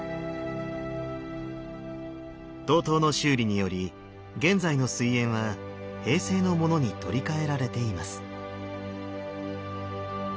東塔の修理により現在の水煙は平成のものに取り替えられています。